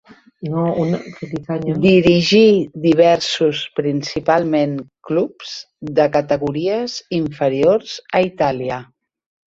Dirigí diversos principalment clubs de categories inferiors a Itàlia.